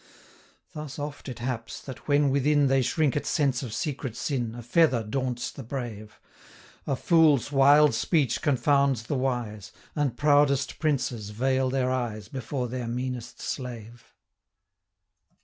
Thus oft it haps, that when within 230 They shrink at sense of secret sin, A feather daunts the brave; A fool's wild speech confounds the wise, And proudest princes vail their eyes Before their meanest slave.